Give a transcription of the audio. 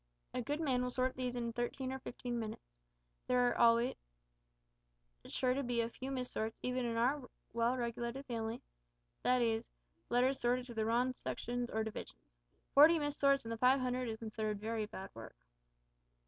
A good man will sort these in thirteen or fifteen minutes. There are always sure to be a few mis sorts, even in our well regulated family that is, letters sorted to the wrong sections or divisions. Forty mis sorts in the five hundred is considered very bad work."